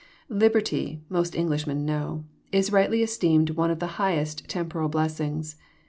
Liberty, most Englishmen know, is rightly esteemed one of the highest temporal blessings.